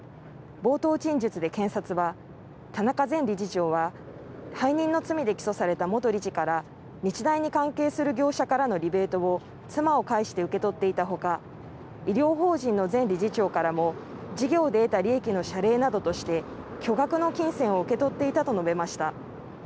冒頭陳述で検察は田中前理事長は背任の罪で起訴された元理事から日大に関係する業者からのリベートを妻を介して受け取っていたほか医療法人の前理事長からも事業で得た利益の謝礼などとして巨額の金銭を受け取っていたと述べました。